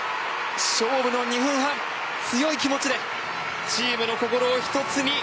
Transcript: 勝負の２分半、強い気持ちでチームの心を１つに。